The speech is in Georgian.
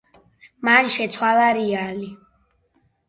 მან შეცვალა რიალი.